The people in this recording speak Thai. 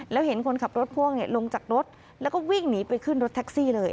แล้วเห็นคนขับรถพ่วงลงจากรถแล้วก็วิ่งหนีไปขึ้นรถแท็กซี่เลย